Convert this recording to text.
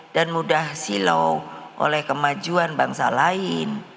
dan mudah silau oleh kemajuan bangsa lain